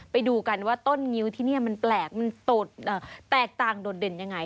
ไปดูกันว่าต้นงิ้วที่เนี่ยมันแปลกแตกต่างดนเด่นอย่างไร